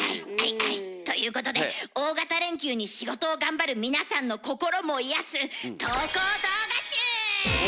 ということで大型連休に仕事を頑張る皆さんの心も癒やす投稿動画集！